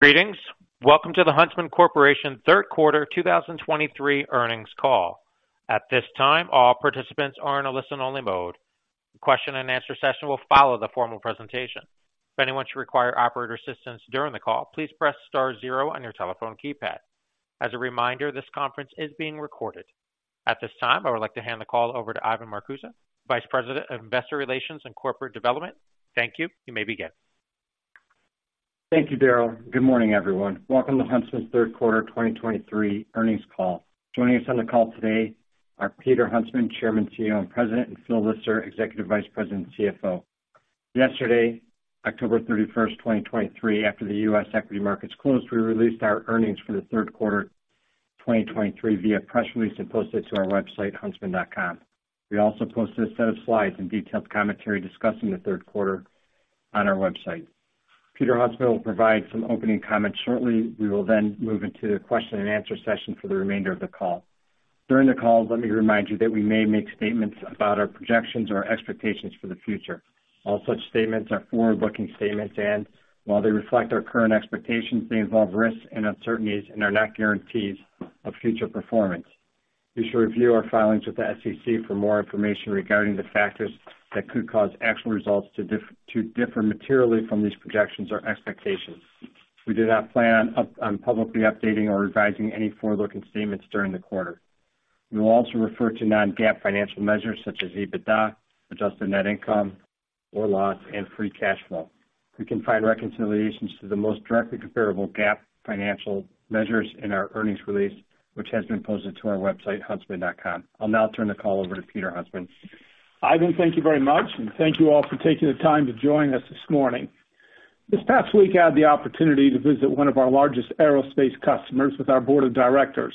Greetings. Welcome to the Huntsman Corporation third quarter 2023 earnings call. At this time, all participants are in a listen-only mode. The question and answer session will follow the formal presentation. If anyone should require operator assistance during the call, please press star zero on your telephone keypad. As a reminder, this conference is being recorded. At this time, I would like to hand the call over to Ivan Marcuse, Vice President of Investor Relations and Corporate Development. Thank you. You may begin. Thank you, Daryl. Good morning, everyone. Welcome to Huntsman's third quarter 2023 earnings call. Joining us on the call today are Peter Huntsman, Chairman, CEO, and President, and Phil Lister, Executive Vice President and CFO. Yesterday, October 31st, 2023, after the U.S. equity markets closed, we released our earnings for the third quarter 2023 via press release and posted to our website, huntsman.com. We also posted a set of slides and detailed commentary discussing the third quarter on our website. Peter Huntsman will provide some opening comments shortly. We will then move into the question and answer session for the remainder of the call. During the call, let me remind you that we may make statements about our projections or expectations for the future. All such statements are forward-looking statements, and while they reflect our current expectations, they involve risks and uncertainties and are not guarantees of future performance. Be sure to review our filings with the SEC for more information regarding the factors that could cause actual results to differ materially from these projections or expectations. We do not plan on publicly updating or revising any forward-looking statements during the quarter. We will also refer to non-GAAP financial measures such as EBITDA, adjusted net income or loss, and free cash flow. We can find reconciliations to the most directly comparable GAAP financial measures in our earnings release, which has been posted to our website, huntsman.com. I'll now turn the call over to Peter Huntsman. Ivan, thank you very much, and thank you all for taking the time to join us this morning. This past week, I had the opportunity to visit one of our largest aerospace customers with our board of directors.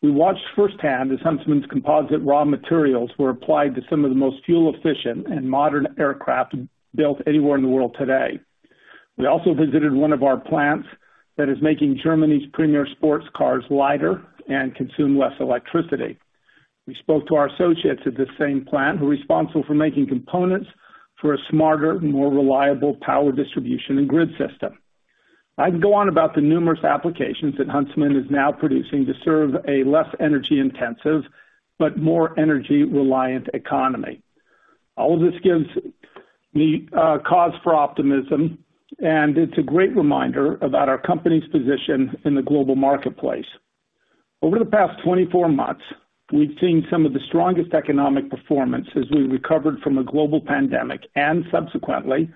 We watched firsthand as Huntsman's composite raw materials were applied to some of the most fuel-efficient and modern aircraft built anywhere in the world today. We also visited one of our plants that is making Germany's premier sports cars lighter and consume less electricity. We spoke to our associates at this same plant, who are responsible for making components for a smarter, more reliable power distribution and grid system. I'd go on about the numerous applications that Huntsman is now producing to serve a less energy-intensive, but more energy-reliant economy. All of this gives me cause for optimism, and it's a great reminder about our company's position in the global marketplace. Over the past 24 months, we've seen some of the strongest economic performance as we recovered from a global pandemic, and subsequently,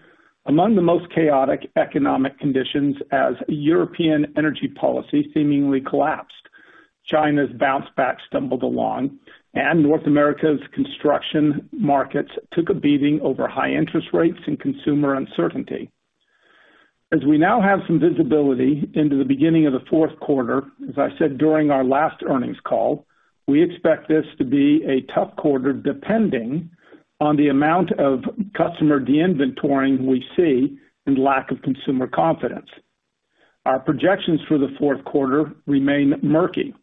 among the most chaotic economic conditions as European energy policy seemingly collapsed. China's bounce back stumbled along, and North America's construction markets took a beating over high interest rates and consumer uncertainty. As we now have some visibility into the beginning of the fourth quarter, as I said during our last earnings call, we expect this to be a tough quarter, depending on the amount of customer de-inventorying we see and lack of consumer confidence. Our projections for the fourth quarter remain murky,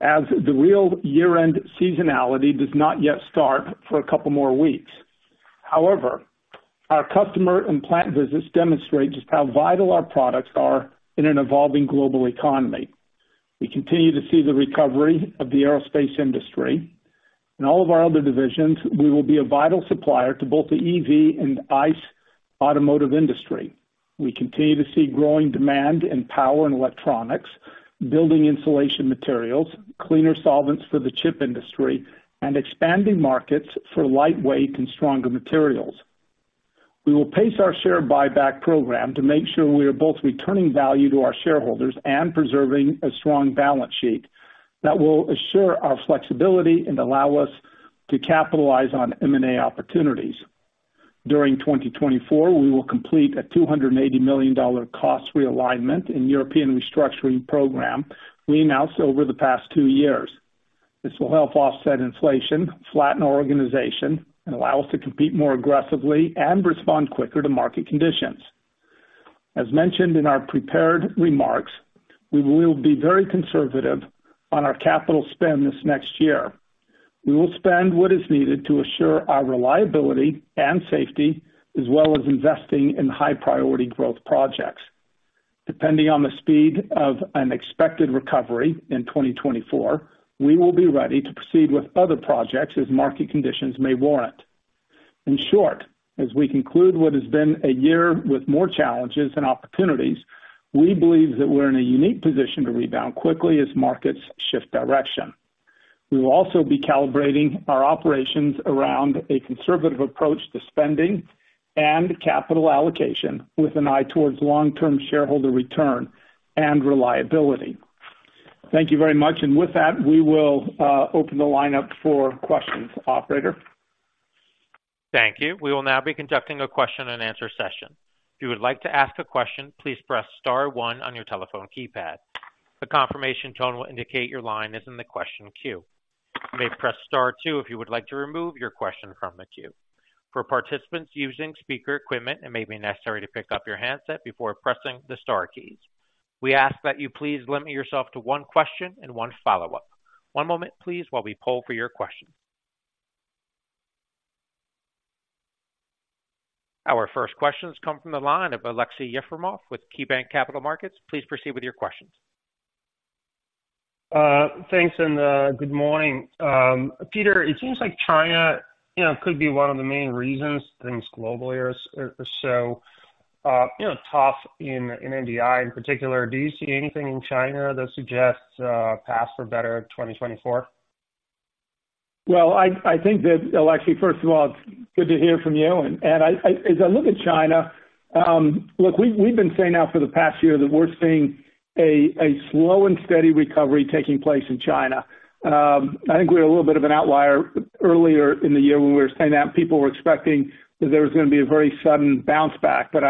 as the real year-end seasonality does not yet start for a couple more weeks. However, our customer and plant visits demonstrate just how vital our products are in an evolving global economy. We continue to see the recovery of the aerospace industry. In all of our other divisions, we will be a vital supplier to both the EV and ICE automotive industry. We continue to see growing demand in power and electronics, building insulation materials, cleaner solvents for the chip industry, and expanding markets for lightweight and stronger materials. We will pace our share buyback program to make sure we are both returning value to our shareholders and preserving a strong balance sheet that will assure our flexibility and allow us to capitalize on M&A opportunities. During 2024, we will complete a $280 million cost realignment in European restructuring program we announced over the past two years. This will help offset inflation, flatten our organization, and allow us to compete more aggressively and respond quicker to market conditions. As mentioned in our prepared remarks, we will be very conservative on our capital spend this next year. We will spend what is needed to assure our reliability and safety, as well as investing in high priority growth projects. Depending on the speed of an expected recovery in 2024, we will be ready to proceed with other projects as market conditions may warrant. In short, as we conclude what has been a year with more challenges than opportunities, we believe that we're in a unique position to rebound quickly as markets shift direction. We will also be calibrating our operations around a conservative approach to spending and capital allocation, with an eye towards long-term shareholder return and reliability. Thank you very much, and with that, we will open the line up for questions. Operator? Thank you. We will now be conducting a question and answer session. If you would like to ask a question, please press star one on your telephone keypad. The confirmation tone will indicate your line is in the question queue. You may press star two if you would like to remove your question from the queue. For participants using speaker equipment, it may be necessary to pick up your handset before pressing the star keys. We ask that you please limit yourself to one question and one follow-up. One moment, please, while we poll for your questions. Our first questions come from the line of Aleksey Yefremov with KeyBanc Capital Markets. Please proceed with your questions. Thanks, and good morning. Peter, it seems like China, you know, could be one of the main reasons things globally are so, you know, tough in MDI in particular. Do you see anything in China that suggests paths for better 2024? Well, I think that Aleksey, first of all, it's good to hear from you, and I as I look at China, look, we've been saying now for the past year that we're seeing a slow and steady recovery taking place in China. I think we're a little bit of an outlier. Earlier in the year when we were saying that, people were expecting that there was gonna be a very sudden bounce back. But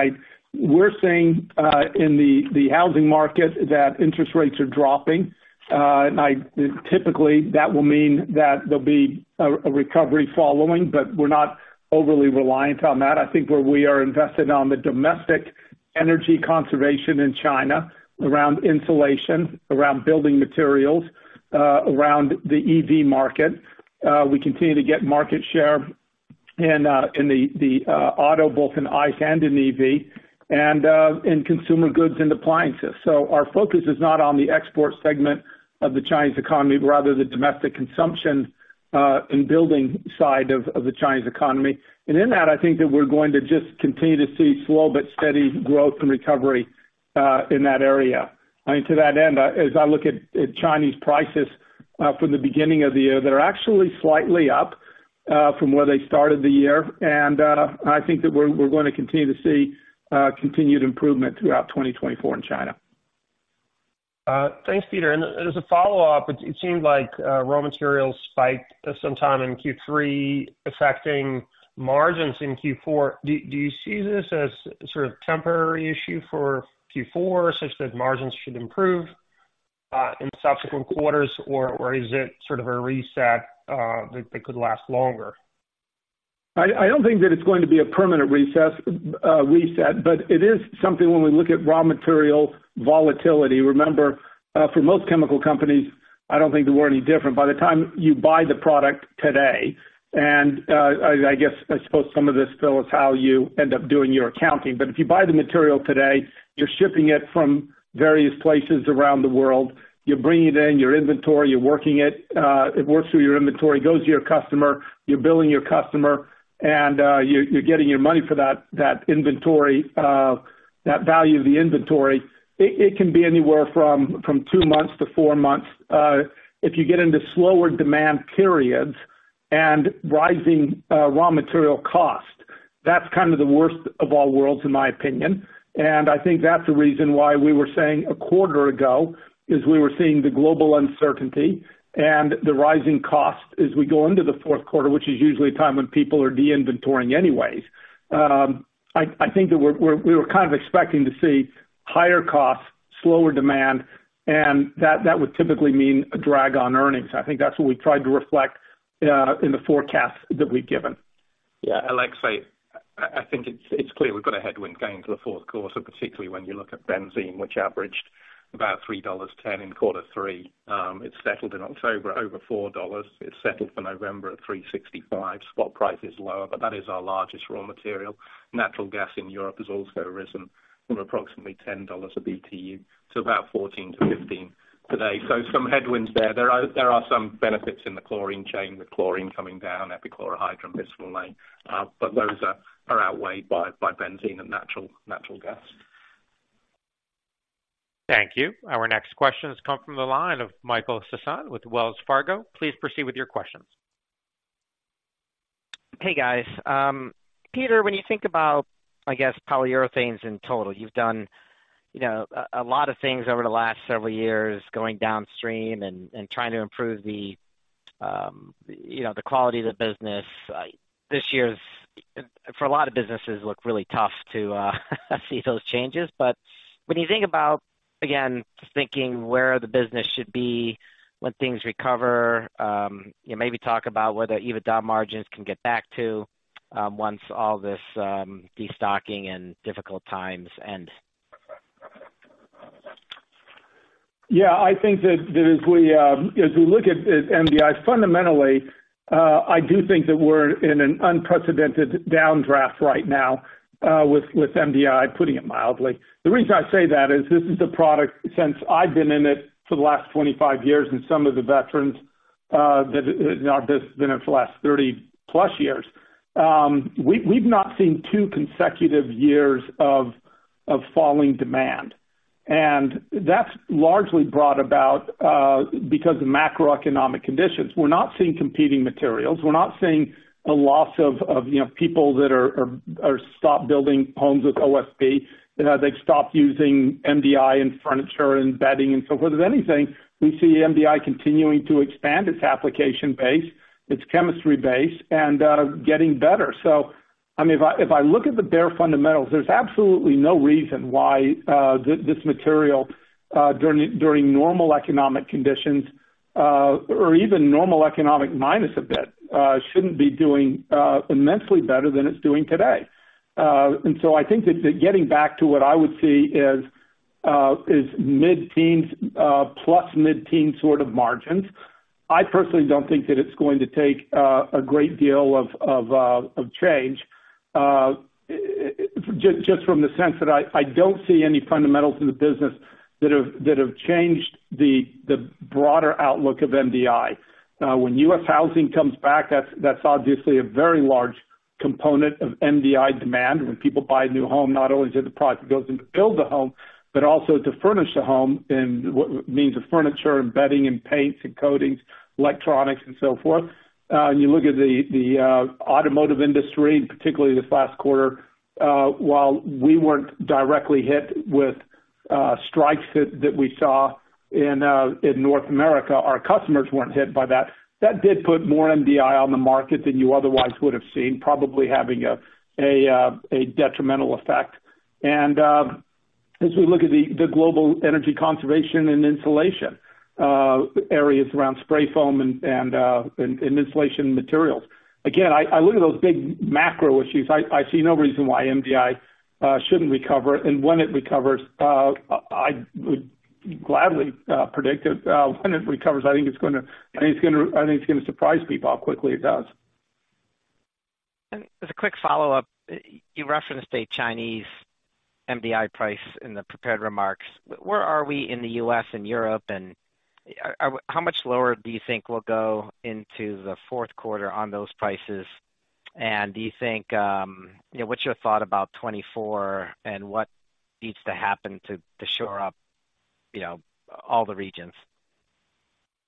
we're seeing in the housing market that interest rates are dropping, and typically, that will mean that there'll be a recovery following, but we're not overly reliant on that. I think where we are invested on the domestic energy conservation in China, around insulation, around building materials, around the EV market, we continue to get market share in, in the, the, auto, both in ICE and in EV, and, in consumer goods and appliances. So our focus is not on the export segment of the Chinese economy, but rather the domestic consumption, and building side of, of the Chinese economy. And in that, I think that we're going to just continue to see slow but steady growth and recovery, in that area. I mean, to that end, as I look at Chinese prices from the beginning of the year, they're actually slightly up from where they started the year, and I think that we're going to continue to see continued improvement throughout 2024 in China. Thanks, Peter, and as a follow-up, it seems like raw materials spiked sometime in Q3, affecting margins in Q4. Do you see this as sort of temporary issue for Q4, such that margins should improve in subsequent quarters? Or is it sort of a reset that could last longer? I don't think that it's going to be a permanent recess- reset, but it is something when we look at raw material volatility. Remember, for most chemical companies, I don't think we're any different. By the time you buy the product today, and, I guess, I suppose some of this still is how you end up doing your accounting, but if you buy the material today, you're shipping it from various places around the world, you're bringing it in, your inventory, you're working it, it works through your inventory, it goes to your customer, you're billing your customer, and, you're getting your money for that inventory, that value of the inventory. It can be anywhere from two months to four months. If you get into slower demand periods and rising raw material costs, that's kind of the worst of all worlds, in my opinion. And I think that's the reason why we were saying a quarter ago, is we were seeing the global uncertainty and the rising cost as we go into the fourth quarter, which is usually a time when people are de-inventoring anyways. I think that we were kind of expecting to see higher costs, slower demand, and that would typically mean a drag on earnings. I think that's what we tried to reflect in the forecast that we've given. Yeah, Aleksey, I think it's clear we've got a headwind going into the fourth quarter, particularly when you look at benzene, which averaged about $3.10 in quarter three. It settled in October over $4. It settled for November at $3.65. Spot price is lower, but that is our largest raw material. Natural gas in Europe has also risen from approximately $10 a BTU to about 14-15 today. So some headwinds there. There are some benefits in the chlorine chain, with chlorine coming down, epichlorohydrin, bisphenol A, but those are outweighed by benzene and natural gas. Thank you. Our next question has come from the line of Michael Sison with Wells Fargo. Please proceed with your questions. Hey, guys. Peter, when you think about, I guess, polyurethanes in total, you've done, you know, a lot of things over the last several years, going downstream and trying to improve the, you know, the quality of the business. This year's, for a lot of businesses, look really tough to see those changes. But when you think about, again, just thinking where the business should be when things recover, you know, maybe talk about where the EBITDA margins can get back to, once all this destocking and difficult times end. Yeah, I think that as we look at MDI fundamentally, I do think that we're in an unprecedented downdraft right now with MDI, putting it mildly. The reason I say that is, this is a product since I've been in it for the last 25 years, and some of the veterans that have been in it for the last 30+ years. We've not seen two consecutive years of falling demand, and that's largely brought about because of macroeconomic conditions. We're not seeing competing materials. We're not seeing a loss of, you know, people that are stop building homes with OSB, they've stopped using MDI in furniture and bedding and so forth. If anything, we see MDI continuing to expand its application base, its chemistry base, and getting better. So I mean, if I, if I look at the bare fundamentals, there's absolutely no reason why this material during normal economic conditions or even normal economic minus a bit shouldn't be doing immensely better than it's doing today. And so I think that getting back to what I would see is mid-teens plus mid-teen sort of margins. I personally don't think that it's going to take a great deal of change just from the sense that I don't see any fundamentals in the business that have changed the broader outlook of MDI. When U.S. housing comes back, that's obviously a very large component of MDI demand. When people buy a new home, not only does the product goes in to build the home, but also to furnish the home in what means of furniture, and bedding, and paints, and coatings, electronics, and so forth. You look at the automotive industry, and particularly this last quarter, while we weren't directly hit with strikes that we saw in North America, our customers weren't hit by that. That did put more MDI on the market than you otherwise would have seen, probably having a detrimental effect. As we look at the global energy conservation and insulation areas around spray foam and insulation materials. Again, I look at those big macro issues. I see no reason why MDI shouldn't recover, and when it recovers, I would gladly predict it. When it recovers, I think it's gonna surprise people how quickly it does. As a quick follow-up, you referenced a Chinese MDI price in the prepared remarks. Where are we in the U.S. and Europe, and how much lower do you think we'll go into the fourth quarter on those prices? And do you think, you know, what's your thought about 2024, and what needs to happen to shore up, you know, all the regions?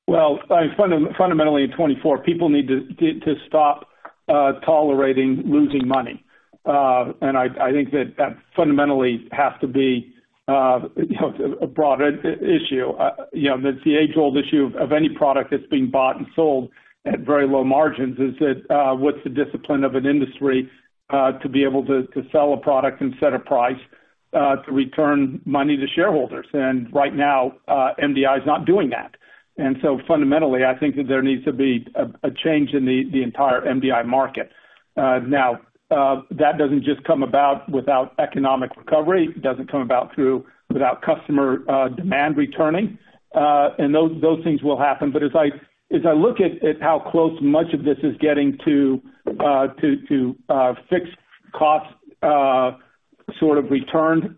Well, fundamentally, in 2024, people need to stop tolerating losing money. And I think that fundamentally has to be, you know, a broader issue. You know, it's the age-old issue of any product that's being bought and sold at very low margins, is that, what's the discipline of an industry to be able to sell a product and set a price to return money to shareholders? And right now, MDI is not doing that. And so fundamentally, I think that there needs to be a change in the entire MDI market. Now, that doesn't just come about without economic recovery. It doesn't come about through without customer demand returning, and those things will happen. But as I look at how close much of this is getting to fixed costs sort of returned,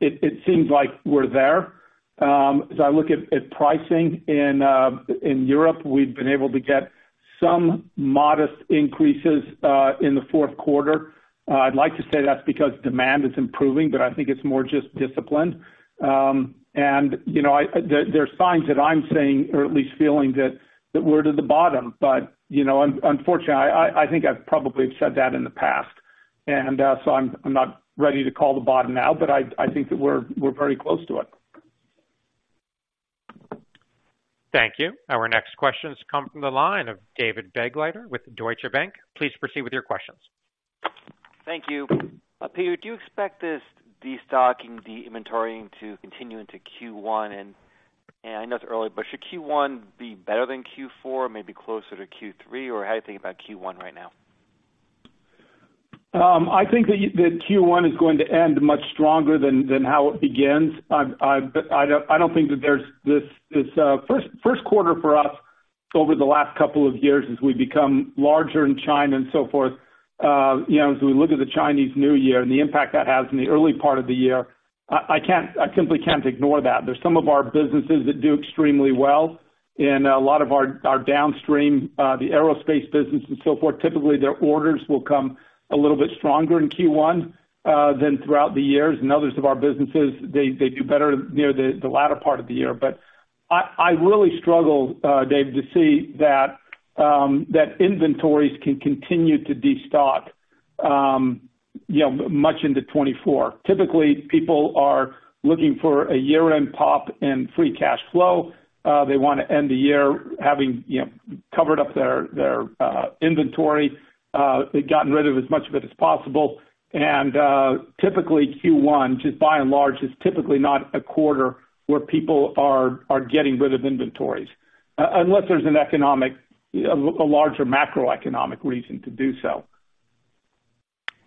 it seems like we're there. As I look at pricing in Europe, we've been able to get some modest increases in the fourth quarter. I'd like to say that's because demand is improving, but I think it's more just discipline. And, you know, there are signs that I'm seeing, or at least feeling, that we're to the bottom. But, you know, unfortunately, I think I've probably have said that in the past, and so I'm not ready to call the bottom now, but I think that we're very close to it. Thank you. Our next question comes from the line of David Begleiter with Deutsche Bank. Please proceed with your questions. Thank you. Peter, do you expect this destocking, de-inventoring to continue into Q1? And, and I know it's early, but should Q1 be better than Q4, maybe closer to Q3, or how do you think about Q1 right now? I think that that Q1 is going to end much stronger than how it begins. But I don't think that there's this... First quarter for us over the last couple of years, as we become larger in China and so forth, you know, as we look at the Chinese New Year and the impact that has in the early part of the year, I can't, I simply can't ignore that. There's some of our businesses that do extremely well in a lot of our downstream, the aerospace business and so forth. Typically, their orders will come a little bit stronger in Q1 than throughout the years, and others of our businesses, they do better near the latter part of the year. But I really struggle, Dave, to see that inventories can continue to destock, you know, much into 2024. Typically, people are looking for a year-end pop in free cash flow. They want to end the year having, you know, covered up their inventory, they've gotten rid of as much of it as possible. And typically, Q1, just by and large, is typically not a quarter where people are getting rid of inventories, unless there's an economic, a larger macroeconomic reason to do so.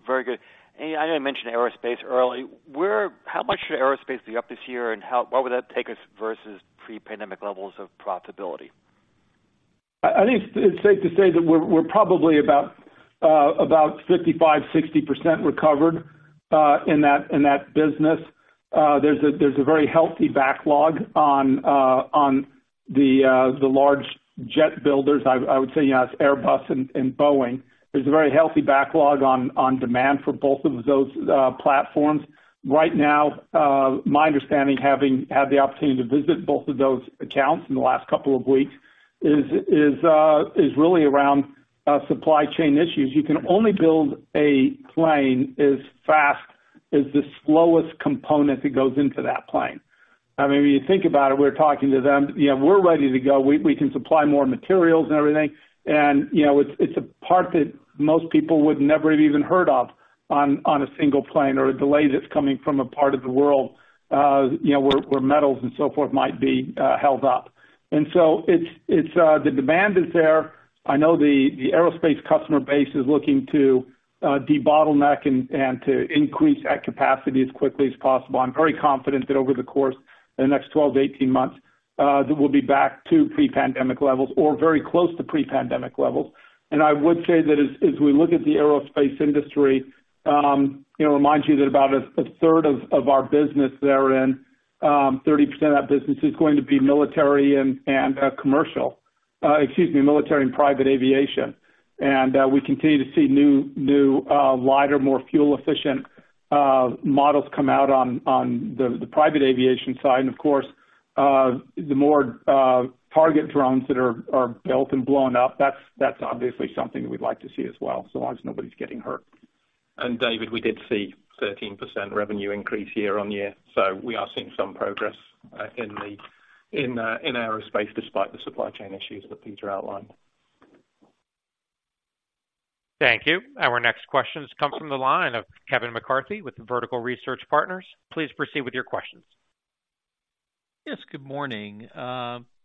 Very good. And I know you mentioned aerospace earlier. Where, how much should aerospace be up this year, and how, what would that take us versus pre-pandemic levels of profitability? I think it's safe to say that we're probably about 55-60% recovered in that business. There's a very healthy backlog on the large jet builders. I would say, you know, it's Airbus and Boeing. There's a very healthy backlog on demand for both of those platforms. Right now, my understanding, having had the opportunity to visit both of those accounts in the last couple of weeks, is really around supply chain issues. You can only build a plane as fast as the slowest component that goes into that plane. I mean, when you think about it, we're talking to them, you know, we're ready to go. We can supply more materials and everything, and, you know, it's a part that most people would never have even heard of on a single plane or a delay that's coming from a part of the world, you know, where metals and so forth might be held up. And so it's the demand is there. I know the aerospace customer base is looking to debottleneck and to increase that capacity as quickly as possible. I'm very confident that over the course of the next 12-18 months that we'll be back to pre-pandemic levels or very close to pre-pandemic levels. And I would say that as we look at the aerospace industry, you know, remind you that about a third of our business therein, 30% of that business is going to be military and commercial. Excuse me, military and private aviation. And we continue to see new lighter, more fuel efficient models come out on the private aviation side. And of course, the more target drones that are built and blown up, that's obviously something we'd like to see as well, so long as nobody's getting hurt. And David, we did see 13% revenue increase year-on-year, so we are seeing some progress in aerospace, despite the supply chain issues that Peter outlined. Thank you. Our next question comes from the line of Kevin McCarthy with Vertical Research Partners. Please proceed with your questions. Yes, good morning.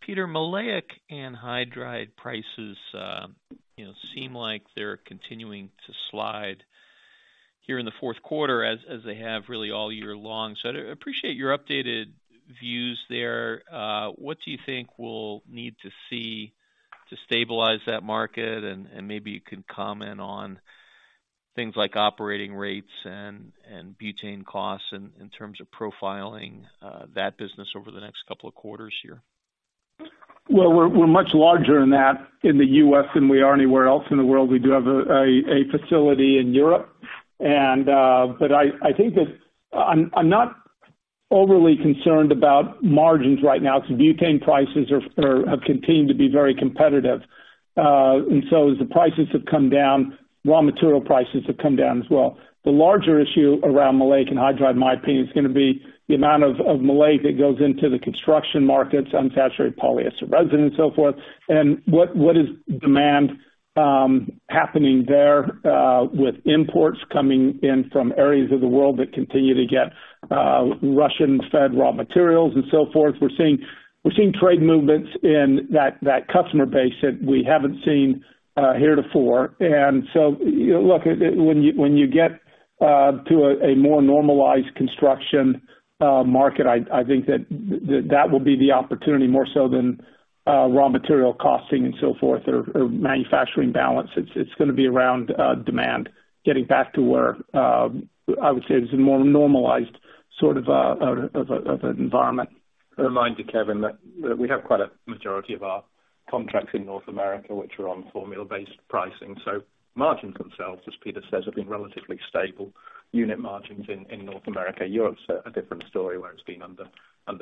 Peter, Maleic Anhydride prices, you know, seem like they're continuing to slide here in the fourth quarter as they have really all year long. So I'd appreciate your updated views there. What do you think we'll need to see to stabilize that market? And maybe you can comment on things like operating rates and butane costs in terms of profiling that business over the next couple of quarters here. Well, we're much larger in that in the U.S. than we are anywhere else in the world. We do have a facility in Europe, and... But I think that I'm not overly concerned about margins right now because butane prices have continued to be very competitive. And so as the prices have come down, raw material prices have come down as well. The larger issue around Maleic Anhydride, in my opinion, is gonna be the amount of Maleic that goes into the construction markets, unsaturated polyester resin and so forth, and what is demand happening there, with imports coming in from areas of the world that continue to get Russian-fed raw materials and so forth. We're seeing trade movements in that customer base that we haven't seen heretofore. You know, look, when you get to a more normalized construction market, I think that will be the opportunity more so than raw material costing and so forth, or manufacturing balance. It's gonna be around demand, getting back to where I would say it's a more normalized sort of an environment. I remind you, Kevin, that we have quite a majority of our contracts in North America, which are on formula-based pricing. So margins themselves, as Peter says, have been relatively stable. Unit margins in North America. Europe's a different story, where it's been under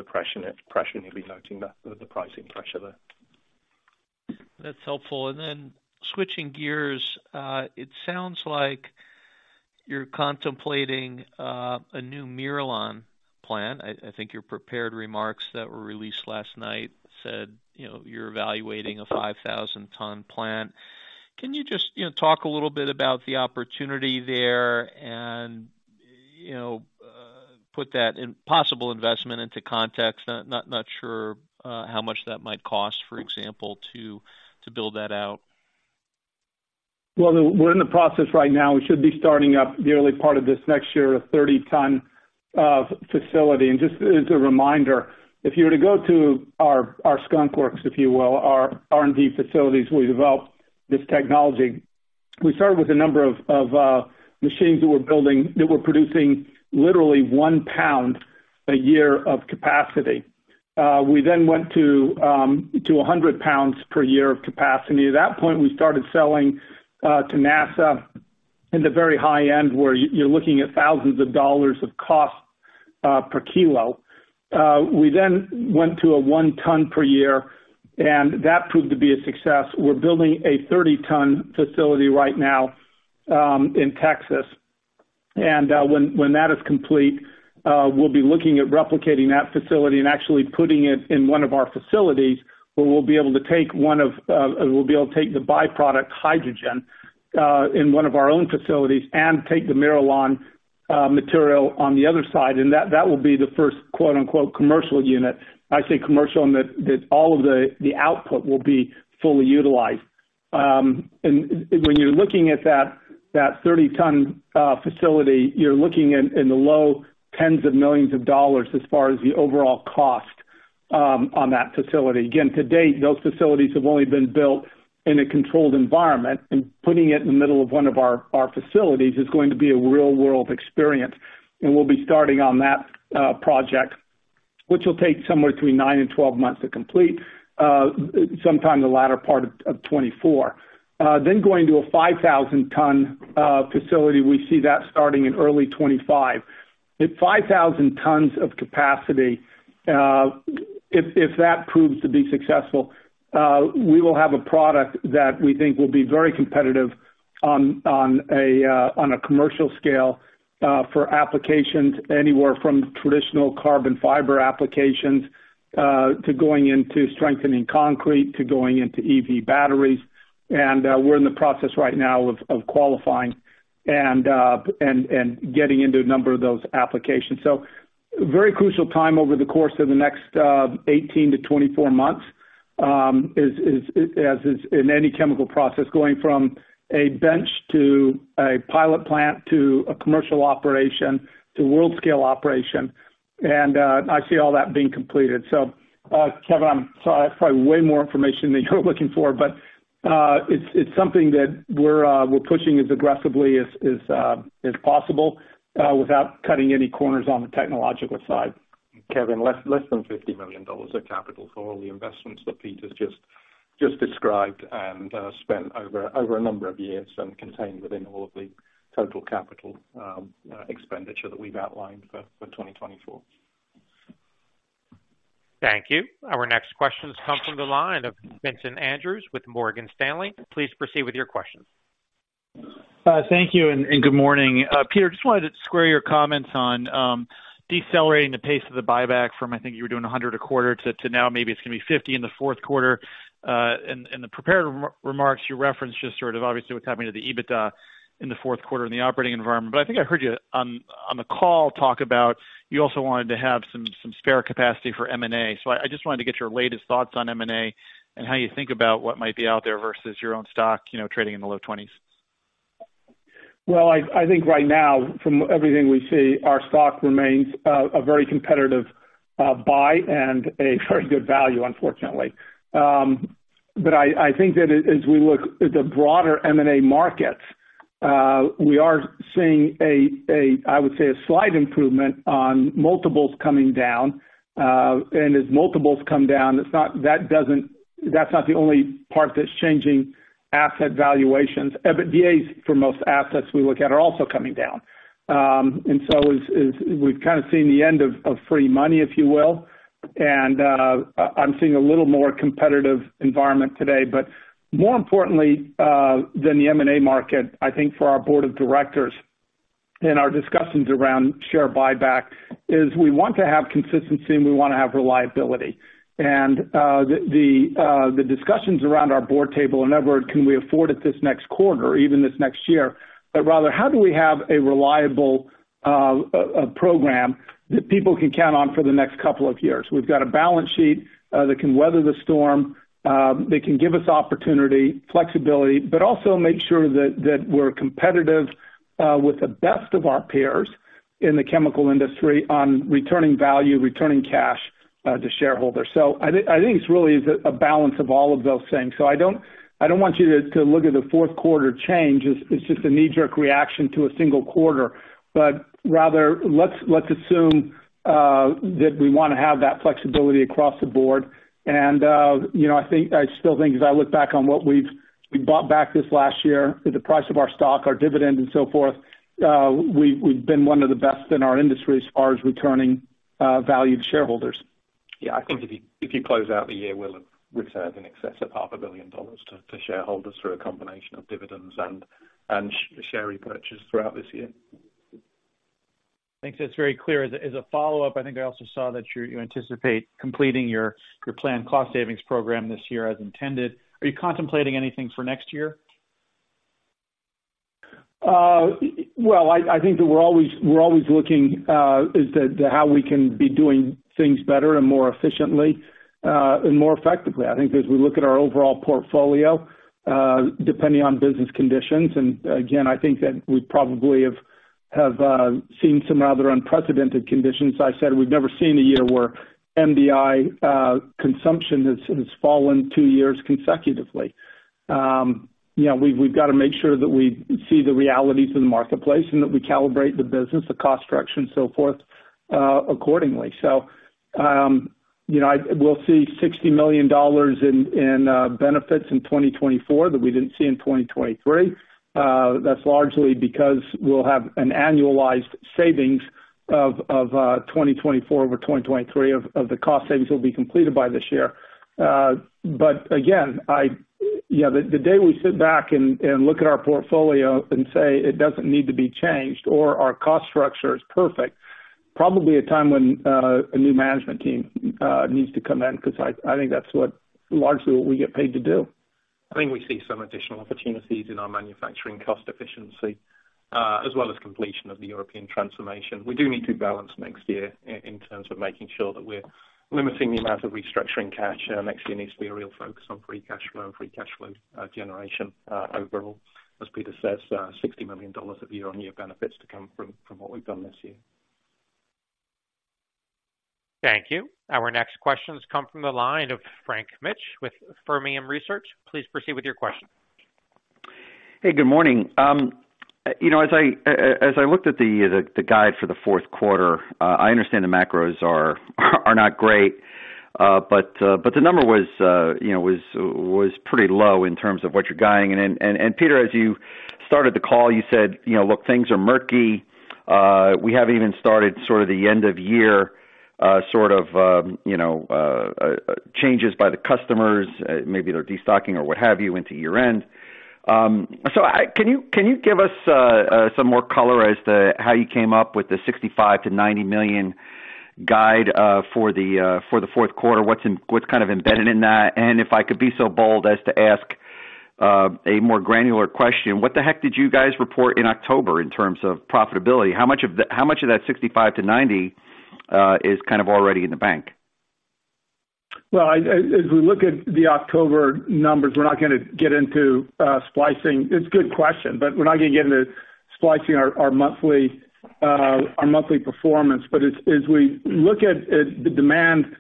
pressure, and it's pressure, you'll be noting the pricing pressure there. That's helpful. Then switching gears, it sounds like you're contemplating a new MIRALON plant. I think your prepared remarks that were released last night said, you know, you're evaluating a 5,000-ton plant. Can you just, you know, talk a little bit about the opportunity there and, you know, put that in possible investment into context? I'm not sure how much that might cost, for example, to build that out. Well, we're in the process right now. We should be starting up the early part of this next year, a 30-ton facility. And just as a reminder, if you were to go to our skunk works, if you will, our R&D facilities, we developed this technology. We started with a number of machines that were producing literally 1 lb a year of capacity. We then went to 100 lbs per year of capacity. At that point, we started selling to NASA in the very high end, where you're looking at thousands of dollars of cost per kilo. We then went to a 1 ton per year, and that proved to be a success. We're building a 30-ton facility right now, in Texas, and when that is complete, we'll be looking at replicating that facility and actually putting it in one of our facilities, where we'll be able to take the byproduct, hydrogen, in one of our own facilities and take the MIRALON material on the other side, and that will be the first quote, unquote, "commercial unit." I say commercial in that all of the output will be fully utilized. When you're looking at that 30-ton facility, you're looking at in the low $10-$20 million as far as the overall cost on that facility. Again, to date, those facilities have only been built in a controlled environment, and putting it in the middle of one of our, our facilities is going to be a real-world experience. We'll be starting on that project, which will take somewhere between 9-12 months to complete, sometime in the latter part of 2024. Then going to a 5,000-ton facility, we see that starting in early 2025. At 5,000 tons of capacity, if, if that proves to be successful, we will have a product that we think will be very competitive on, on a, on a commercial scale, for applications anywhere from traditional carbon fiber applications, to going into strengthening concrete, to going into EV batteries. We're in the process right now of qualifying and getting into a number of those applications. Very crucial time over the course of the next 18-24 months is, as is in any chemical process, going from a bench to a pilot plant, to a commercial operation, to world scale operation. I see all that being completed. So, Kevin, I'm sorry, that's probably way more information than you were looking for, but it's something that we're pushing as aggressively as possible without cutting any corners on the technological side. Kevin, less than $50 million of capital for all the investments that Peter's just described, and spent over a number of years and contained within all of the total capital expenditure that we've outlined for 2024. Thank you. Our next question comes from the line of Vincent Andrews with Morgan Stanley. Please proceed with your question. Thank you, and good morning. Peter, just wanted to square your comments on decelerating the pace of the buyback from, I think you were doing 100 a quarter to now maybe it's gonna be 50 in the fourth quarter. In the prepared remarks, you referenced just sort of obviously what's happening to the EBITDA in the fourth quarter in the operating environment. But I think I heard you on the call talk about, you also wanted to have some spare capacity for M&A. So I just wanted to get your latest thoughts on M&A, and how you think about what might be out there versus your own stock, you know, trading in the low 20s. Well, I think right now, from everything we see, our stock remains a very competitive buy and a very good value, unfortunately. But I think that as we look at the broader M&A markets, we are seeing, I would say, a slight improvement on multiples coming down. And as multiples come down, it's not that that's not the only part that's changing asset valuations. EBITDAs, for most assets we look at, are also coming down. And so as we've kind of seen the end of free money, if you will, and I'm seeing a little more competitive environment today. But more importantly than the M&A market, I think for our board of directors and our discussions around share buyback, is we want to have consistency and we wanna have reliability. The discussions around our board table are never, can we afford it this next quarter or even this next year? But rather, how do we have a reliable program that people can count on for the next couple of years? We've got a balance sheet that can weather the storm, that can give us opportunity, flexibility, but also make sure that we're competitive with the best of our peers in the chemical industry on returning value, returning cash to shareholders. So I think it's really a balance of all of those things. So I don't want you to look at the fourth quarter change as just a knee-jerk reaction to a single quarter. But rather, let's assume that we wanna have that flexibility across the board. You know, I think—I still think, as I look back on what we've bought back this last year, the price of our stock, our dividend, and so forth, we've been one of the best in our industry as far as returning value to shareholders. Yeah, I think if you close out the year, we'll have returned in excess of $500 million to shareholders through a combination of dividends and share repurchase throughout this year. Thanks. That's very clear. As a follow-up, I think I also saw that you anticipate completing your planned cost savings program this year as intended. Are you contemplating anything for next year? Well, I think that we're always looking as to how we can be doing things better and more efficiently and more effectively. I think as we look at our overall portfolio, depending on business conditions, and again, I think that we probably have seen some rather unprecedented conditions. I said we've never seen a year where MDI consumption has fallen two years consecutively. You know, we've got to make sure that we see the realities of the marketplace and that we calibrate the business, the cost structure, and so forth accordingly. So, you know, we'll see $60 million in benefits in 2024 that we didn't see in 2023. That's largely because we'll have an annualized savings of 2024 over 2023 of the cost savings that will be completed by this year. But again, yeah, the day we sit back and look at our portfolio and say it doesn't need to be changed or our cost structure is perfect, probably a time when a new management team needs to come in, 'cause I think that's largely what we get paid to do. I think we see some additional opportunities in our manufacturing cost efficiency, as well as completion of the European transformation. We do need to balance next year in terms of making sure that we're limiting the amount of restructuring cash. Next year needs to be a real focus on free cash flow and free cash flow generation overall. As Peter says, $60 million of year-on-year benefits to come from what we've done this year. Thank you. Our next question comes from the line of Frank Mitsch with Fermium Research. Please proceed with your question. Hey, good morning. You know, as I looked at the guide for the fourth quarter, I understand the macros are not great, but the number was, you know, pretty low in terms of what you're guiding. Peter, as you started the call, you said, "You know, look, things are murky. We haven't even started sort of the end-of-year sort of, you know, changes by the customers, maybe they're destocking or what have you, into year-end." So, can you give us some more color as to how you came up with the $65 million-$90 million guide for the fourth quarter? What's kind of embedded in that? If I could be so bold as to ask a more granular question, what the heck did you guys report in October in terms of profitability? How much of that, how much of that $65-$90 is kind of already in the bank? Well, as we look at the October numbers, we're not gonna get into splicing. It's a good question, but we're not gonna get into splicing our monthly performance. But as we look at the demand,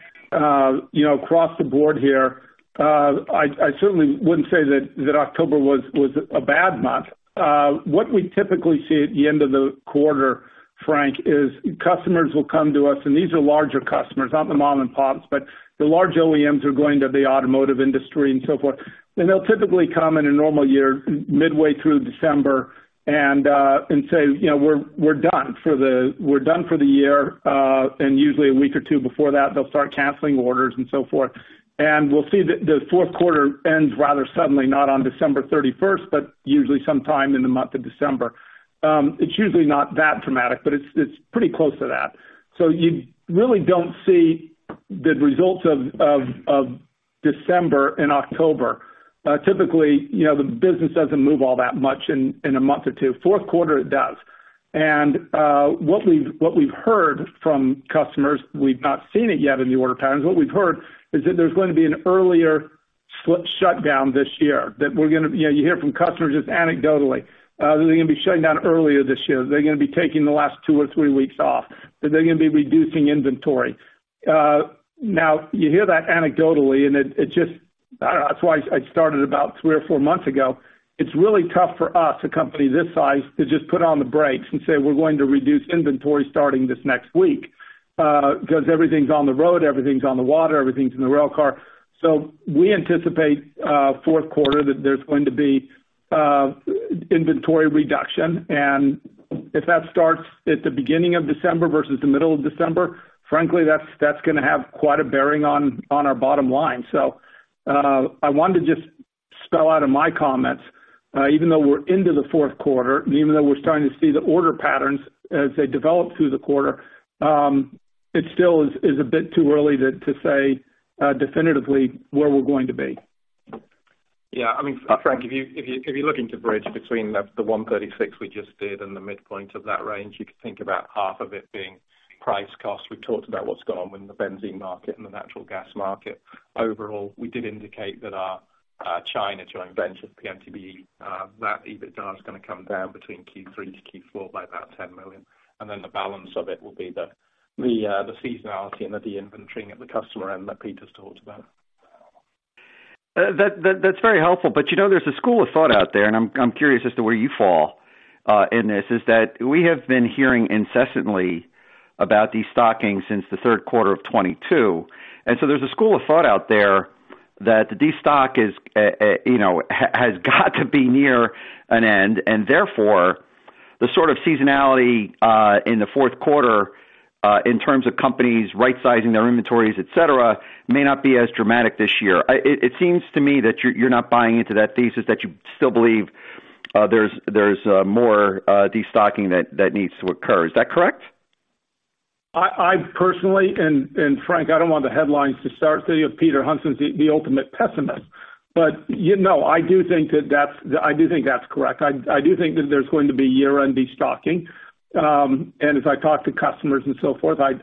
you know, across the board here, I certainly wouldn't say that October was a bad month. What we typically see at the end of the quarter, Frank, is customers will come to us, and these are larger customers, not the mom and pops, but the large OEMs are going to the automotive industry and so forth. And they'll typically come in a normal year, midway through December, and say, "You know, we're done for the year." And usually a week or two before that, they'll start canceling orders and so forth. We'll see the fourth quarter ends rather suddenly, not on December 31st, but usually sometime in the month of December. It's usually not that dramatic, but it's pretty close to that. So you really don't see the results of December and October. Typically, you know, the business doesn't move all that much in a month or two. Fourth quarter, it does. What we've heard from customers, we've not seen it yet in the order patterns. What we've heard is that there's going to be an earlier slip shutdown this year. That we're gonna. You know, you hear from customers just anecdotally that they're gonna be shutting down earlier this year. They're gonna be taking the last two or three weeks off, that they're gonna be reducing inventory. Now, you hear that anecdotally, and it just... I don't know, that's why I started about three or four months ago. It's really tough for us, a company this size, to just put on the brakes and say, "We're going to reduce inventory starting this next week," because everything's on the road, everything's on the water, everything's in the rail car. So we anticipate fourth quarter that there's going to be inventory reduction. And if that starts at the beginning of December versus the middle of December, frankly, that's gonna have quite a bearing on our bottom line. So I wanted to just spell out in my comments, even though we're into the fourth quarter, and even though we're starting to see the order patterns as they develop through the quarter, it still is a bit too early to say definitively where we're going to be. Yeah, I mean, Frank, if you're looking to bridge between the $136 million we just did and the midpoint of that range, you can think about half of it being price cost. We've talked about what's going on in the benzene market and the natural gas market. Overall, we did indicate that our China joint venture, PO/MTBE, that EBITDA is gonna come down between Q3 to Q4 by about $10 million, and then the balance of it will be the seasonality and the de-inventorying at the customer end that Peter's talked about. That's very helpful. But, you know, there's a school of thought out there, and I'm curious as to where you fall in this, is that we have been hearing incessantly about destocking since the third quarter of 2022. And so there's a school of thought out there that the destock is, you know, has got to be near an end, and therefore, the sort of seasonality in the fourth quarter in terms of companies rightsizing their inventories, et cetera, may not be as dramatic this year. It seems to me that you're not buying into that thesis, that you still believe there's more destocking that needs to occur. Is that correct? I personally, and Frank, I don't want the headlines to start saying Peter Huntsman is the ultimate pessimist, but you know, I do think that's correct. I do think that there's going to be year-end destocking. And as I talk to customers and so forth, I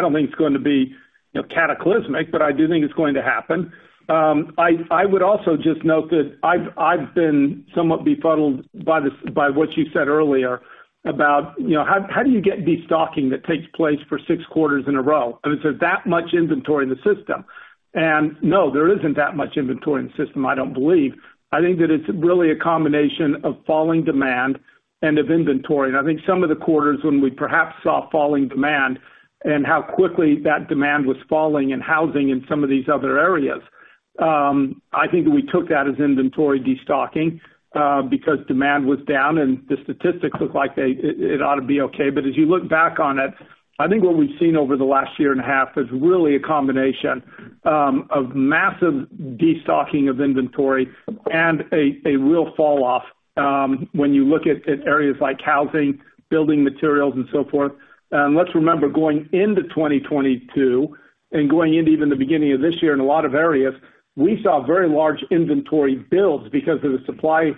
don't think it's going to be, you know, cataclysmic, but I do think it's going to happen. I would also just note that I've been somewhat befuddled by this, by what you said earlier about, you know, how do you get destocking that takes place for six quarters in a row? I mean, is there that much inventory in the system? And no, there isn't that much inventory in the system, I don't believe. I think that it's really a combination of falling demand and of inventory. I think some of the quarters when we perhaps saw falling demand and how quickly that demand was falling in housing and some of these other areas, I think we took that as inventory destocking, because demand was down and the statistics looked like it ought to be okay. But as you look back on it, I think what we've seen over the last year and a half is really a combination of massive destocking of inventory and a real falloff when you look at areas like housing, building materials, and so forth. Let's remember, going into 2022 and going into even the beginning of this year in a lot of areas, we saw very large inventory builds because of the supply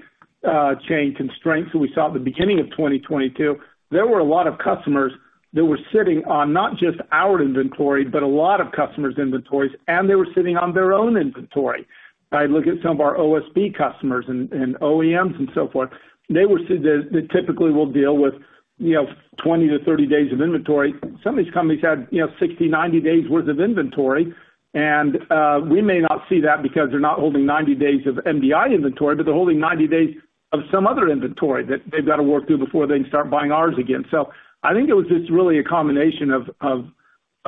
chain constraints that we saw at the beginning of 2022. There were a lot of customers that were sitting on not just our inventory, but a lot of customers' inventories, and they were sitting on their own inventory. I look at some of our OSB customers and OEMs and so forth, they typically will deal with, you know, 20-30 days of inventory. Some of these companies had, you know, 60, 90 days worth of inventory, and we may not see that because they're not holding 90 days of MDI inventory, but they're holding 90 days of some other inventory that they've got to work through before they can start buying ours again. So I think it was just really a combination of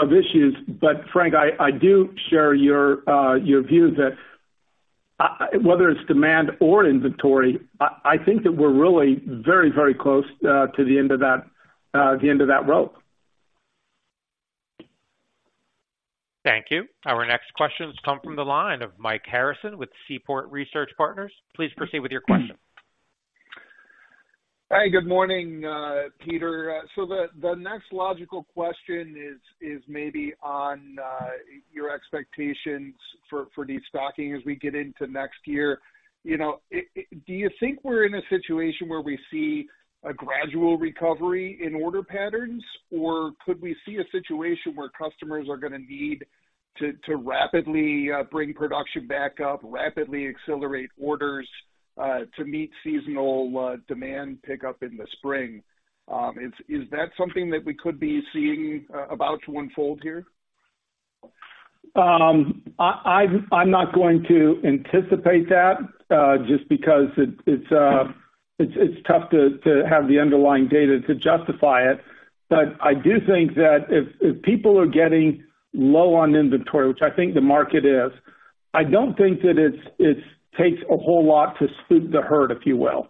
issues. But Frank, I do share your view that, whether it's demand or inventory, I think that we're really very, very close to the end of that, the end of that road. Thank you. Our next questions come from the line of Mike Harrison with Seaport Research Partners. Please proceed with your question.... Hi, good morning, Peter. So the next logical question is maybe on your expectations for destocking as we get into next year. You know, do you think we're in a situation where we see a gradual recovery in order patterns, or could we see a situation where customers are gonna need to rapidly bring production back up, rapidly accelerate orders to meet seasonal demand pickup in the spring? Is that something that we could be seeing about to unfold here? I'm not going to anticipate that, just because it's tough to have the underlying data to justify it. But I do think that if people are getting low on inventory, which I think the market is, I don't think that it takes a whole lot to spook the herd, if you will.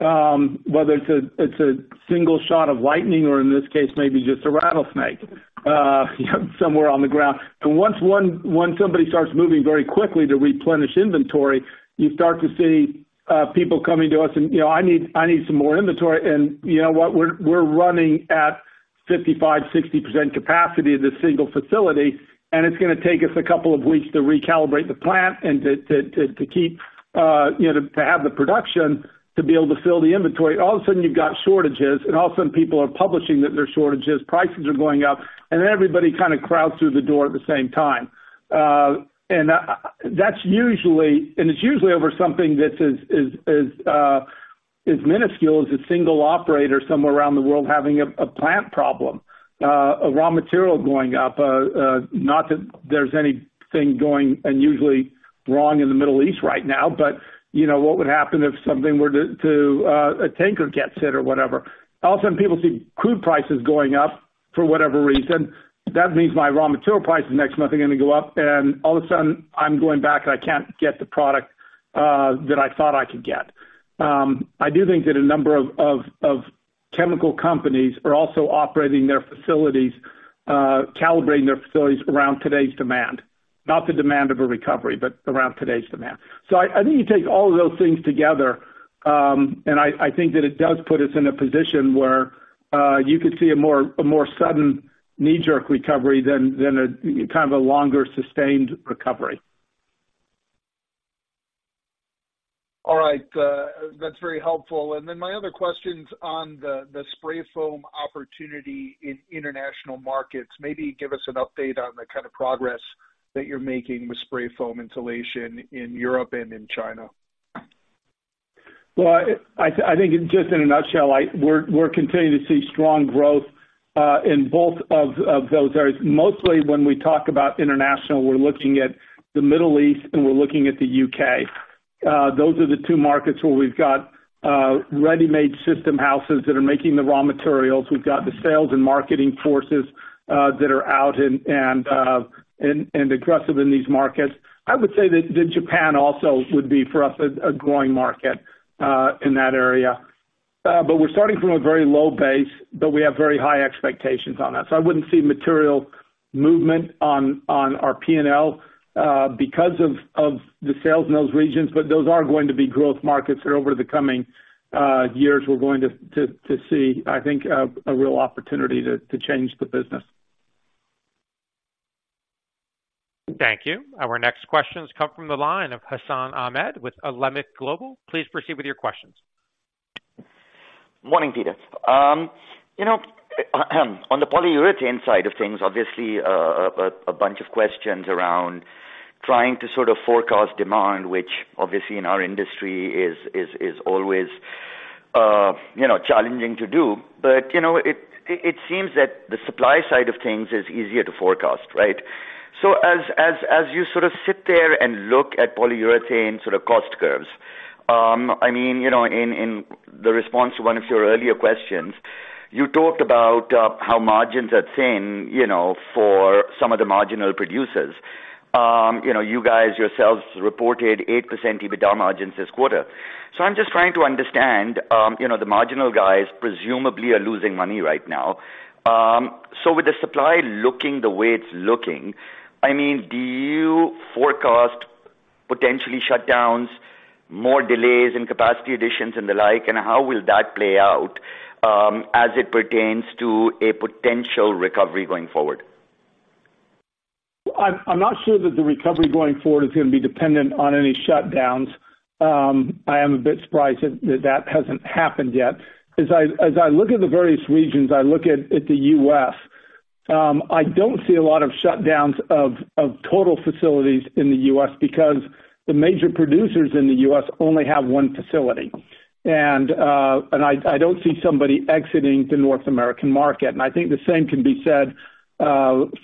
Whether it's a single shot of lightning, or in this case, maybe just a rattlesnake somewhere on the ground. And once somebody starts moving very quickly to replenish inventory, you start to see people coming to us, and, you know, "I need some more inventory." And you know what? We're running at 55-60% capacity at this single facility, and it's gonna take us a couple of weeks to recalibrate the plant and to keep, you know, to have the production to be able to fill the inventory. All of a sudden you've got shortages, and all of a sudden people are publishing that there are shortages, prices are going up, and then everybody kind of crowds through the door at the same time. That's usually... And it's usually over something that is minuscule, as a single operator somewhere around the world having a plant problem, a raw material going up. Not that there's anything going unusually wrong in the Middle East right now, but, you know, what would happen if something were to a tanker gets hit or whatever? All of a sudden people see crude prices going up for whatever reason, that means my raw material price is next month are gonna go up, and all of a sudden I'm going back and I can't get the product that I thought I could get. I do think that a number of chemical companies are also operating their facilities, calibrating their facilities around today's demand, not the demand of a recovery, but around today's demand. So I think you take all of those things together, and I think that it does put us in a position where you could see a more sudden knee-jerk recovery than a kind of a longer sustained recovery. All right, that's very helpful. Then my other question's on the spray foam opportunity in international markets. Maybe give us an update on the kind of progress that you're making with spray foam insulation in Europe and in China? Well, I think just in a nutshell, we're continuing to see strong growth in both of those areas. Mostly when we talk about international, we're looking at the Middle East, and we're looking at the U.K.. Those are the two markets where we've got ready-made system houses that are making the raw materials. We've got the sales and marketing forces that are out and aggressive in these markets. I would say that Japan also would be, for us, a growing market in that area. But we're starting from a very low base, but we have very high expectations on that. So I wouldn't see material movement on our P&L because of the sales in those regions, but those are going to be growth markets over the coming years. We're going to see, I think, a real opportunity to change the business. Thank you. Our next questions come from the line of Hassan Ahmed with Alembic Global. Please proceed with your questions. Morning, Peter. You know, on the polyurethane side of things, obviously, a bunch of questions around trying to sort of forecast demand, which obviously in our industry is always, you know, challenging to do. But, you know, it seems that the supply side of things is easier to forecast, right? So as you sort of sit there and look at polyurethane sort of cost curves, I mean, you know, in the response to one of your earlier questions, you talked about how margins are thin, you know, for some of the marginal producers. You know, you guys yourselves reported 8% EBITDA margins this quarter. So I'm just trying to understand, you know, the marginal guys presumably are losing money right now. So with the supply looking the way it's looking, I mean, do you forecast potentially shutdowns, more delays in capacity additions and the like, and how will that play out, as it pertains to a potential recovery going forward? I'm not sure that the recovery going forward is gonna be dependent on any shutdowns. I am a bit surprised that that hasn't happened yet. As I look at the various regions, I look at the U.S., I don't see a lot of shutdowns of total facilities in the U.S. because the major producers in the U.S. only have one facility. And I don't see somebody exiting the North American market, and I think the same can be said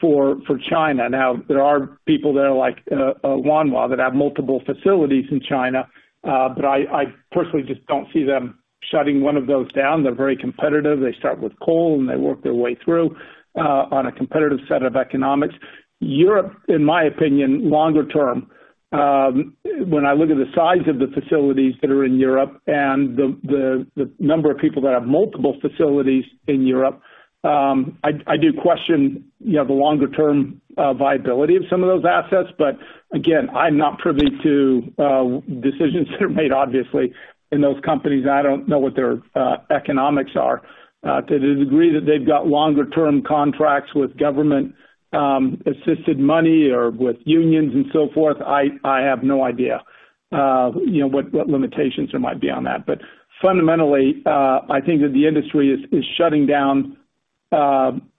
for China. Now, there are people there, like Wanhua, that have multiple facilities in China, but I personally just don't see them shutting one of those down. They're very competitive. They start with coal, and they work their way through on a competitive set of economics. Europe, in my opinion, longer term, when I look at the size of the facilities that are in Europe and the number of people that have multiple facilities in Europe, I do question, you know, the longer term viability of some of those assets. But again, I'm not privy to decisions that are made obviously, in those companies. I don't know what their economics are. To the degree that they've got longer term contracts with government assisted money or with unions and so forth, I have no idea, you know, what limitations there might be on that. But fundamentally, I think that the industry is shutting down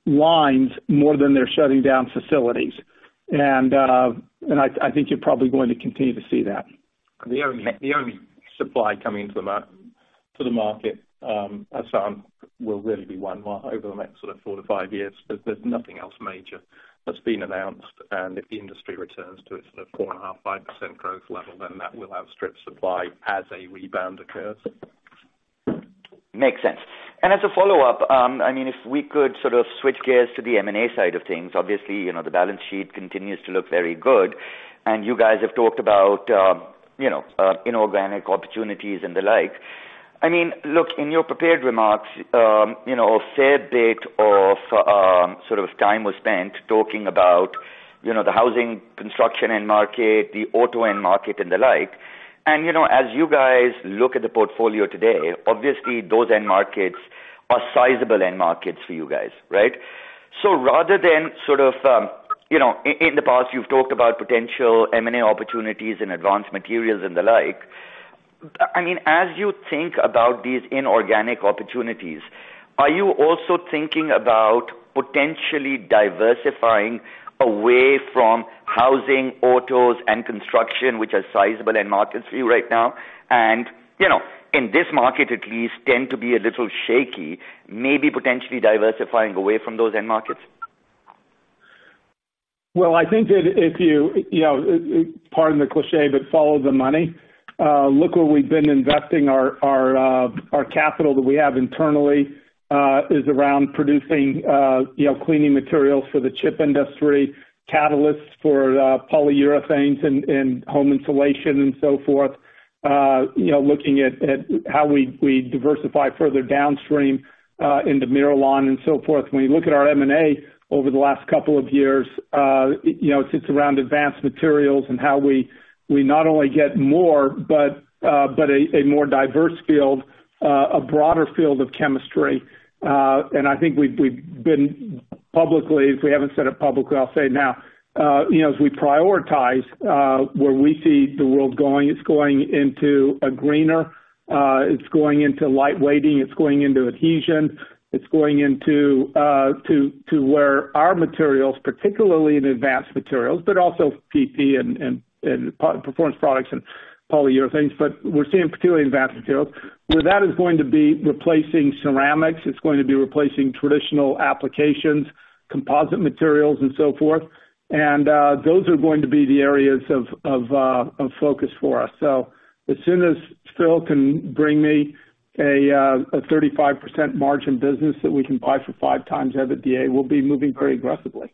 lines more than they're shutting down facilities. And I think you're probably going to continue to see that. The only supply coming to the market as some will really be one more over the next sort of four-five years. But there's nothing else major that's been announced, and if the industry returns to its sort of 4.5%-5% growth level, then that will outstrip supply as a rebound occurs. Makes sense. And as a follow-up, I mean, if we could sort of switch gears to the M&A side of things, obviously, you know, the balance sheet continues to look very good, and you guys have talked about, you know, inorganic opportunities and the like. I mean, look, in your prepared remarks, you know, a fair bit of, sort of time was spent talking about, you know, the housing construction end market, the auto end market and the like. And, you know, as you guys look at the portfolio today, obviously those end markets are sizable end markets for you guys, right? So rather than sort of, you know, in the past, you've talked about potential M&A opportunities and advanced materials and the like. I mean, as you think about these inorganic opportunities, are you also thinking about potentially diversifying away from housing, autos, and construction, which are sizable end markets for you right now? And, you know, in this market at least, tend to be a little shaky, maybe potentially diversifying away from those end markets. Well, I think that if you, you know, pardon the cliché, but follow the money. Look where we've been investing our capital that we have internally is around producing, you know, cleaning materials for the chip industry, catalysts for polyurethanes and home insulation and so forth. You know, looking at how we diversify further downstream into MIRALON and so forth. When you look at our M&A over the last couple of years, you know, it sits around advanced materials and how we not only get more, but a more diverse field, a broader field of chemistry. I think we've been publicly. If we haven't said it publicly, I'll say it now, you know, as we prioritize where we see the world going. It's going into a greener, it's going into lightweighting, it's going into adhesion, it's going into where our materials, particularly in advanced materials, but also PP and performance products and polyurethanes, but we're seeing particularly in advanced materials, where that is going to be replacing ceramics. It's going to be replacing traditional applications, composite materials, and so forth. And those are going to be the areas of focus for us. So as soon as Phil can bring me a 35% margin business that we can buy for 5x EBITDA, we'll be moving very aggressively.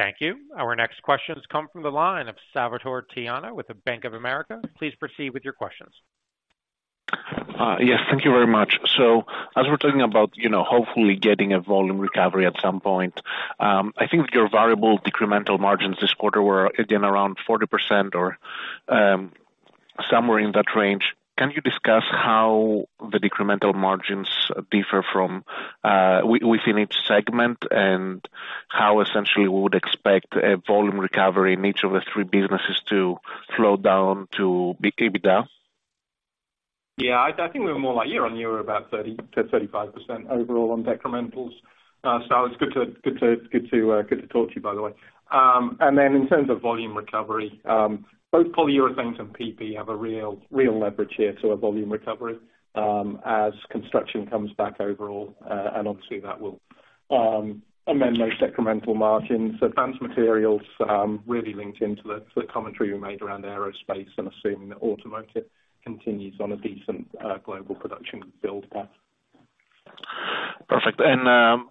Thank you. Our next question has come from the line of Salvator Tiano with the Bank of America. Please proceed with your questions. Yes, thank you very much. So as we're talking about, you know, hopefully getting a volume recovery at some point, I think your variable decremental margins this quarter were again, around 40% or somewhere in that range. Can you discuss how the decremental margins differ from within each segment and how essentially we would expect a volume recovery in each of the three businesses to flow down to EBITDA? Yeah, I think we were more like year-on-year, about 30%-35% overall on decrementals. So it's good to talk to you, by the way. And then in terms of volume recovery, both polyurethanes and PP have a real, real leverage here to a volume recovery, as construction comes back overall, and obviously that will amend those decremental margins. So advanced materials, really linked into the, to the commentary we made around aerospace and assuming that automotive continues on a decent, global production build path. Perfect.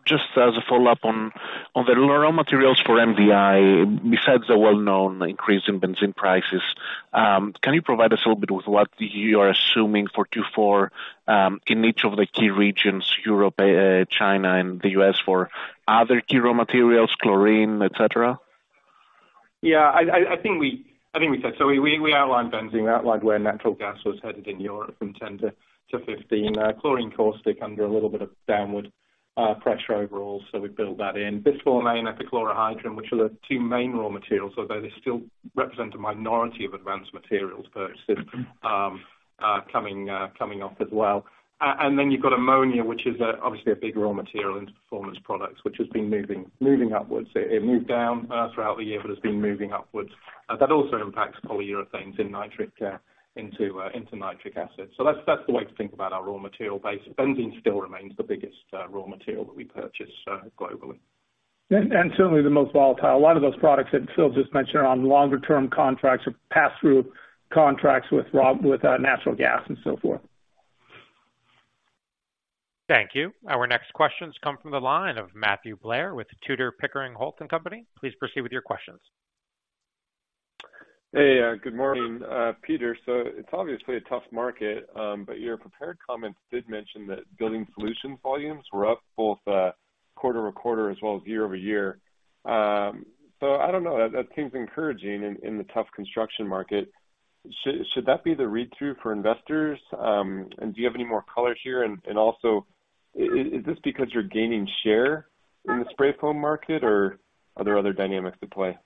Just as a follow-up on the raw materials for MDI, besides the well-known increase in benzene prices, can you provide us a little bit with what you are assuming for Q4, in each of the key regions, Europe, China, and the US, for other key raw materials, chlorine, et cetera? Yeah, I think we said, so we outlined benzene, outlined where natural gas was headed in Europe from 10 to 15. Chlorine caustic under a little bit of downward pressure overall, so we built that in. Bisphenol A and Epichlorohydrin, which are the two main raw materials, although they still represent a minority of advanced materials purchases, coming off as well. And then you've got ammonia, which is obviously a big raw material into performance products, which has been moving upwards. It moved down throughout the year, but it's been moving upwards. That also impacts polyurethanes and nitric into nitric acid. So that's the way to think about our raw material base. Benzene still remains the biggest raw material that we purchase globally.... certainly the most volatile. A lot of those products that Phil just mentioned are on longer-term contracts or pass-through contracts with natural gas and so forth. Thank you. Our next questions come from the line of Matthew Blair with Tudor, Pickering, Holt & Company. Please proceed with your questions. Hey, good morning, Peter. So it's obviously a tough market, but your prepared comments did mention that Building Solutions volumes were up both quarter-over-quarter as well as year-over-year. So I don't know, that seems encouraging in the tough construction market. Should that be the read-through for investors? And do you have any more color here? And also, is this because you're gaining share in the spray foam market, or are there other dynamics at play?